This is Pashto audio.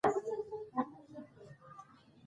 راځئ چې خپل هېواد په خپله جوړ کړو.